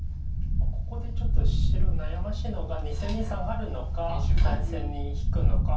ここでちょっと白悩ましいのが２線にサガるのか３線に引くのか。